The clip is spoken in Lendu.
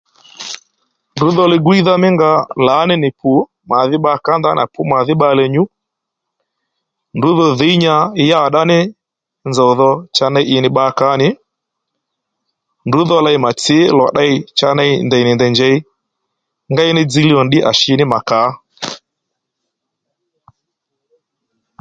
Ndrǔ dho li-gwíydha mí nga lǎní nì pù màdhí bba kǎ ndaní à pǔ màdhí bbalè nyú ndrǔ dho dhǐy nya yàddá ní nzòw dho cha ney ì nì bba kǎ nì ndrǔ dho ley mà tsǐ lò tdey cha ney ndèy nì ndèy njěy ngéy ní dziylíy ò nì ddí à shǐ mà kǎ